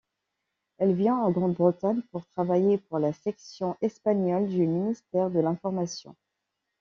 Elle vient en Grande-Bretagne pour travailler pour la section espagnole du Ministère de l'Information.